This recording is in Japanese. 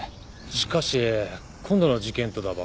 しかし今度の事件とだば関係が。